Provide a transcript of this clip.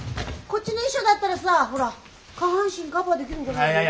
こっちの衣装だったらさほら下半身カバーできるんじゃない？